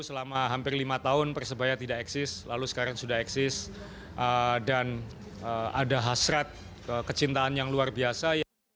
selama hampir lima tahun persebaya tidak eksis lalu sekarang sudah eksis dan ada hasrat kecintaan yang luar biasa